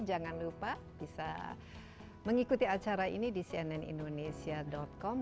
jangan lupa bisa mengikuti acara ini di cnnindonesia com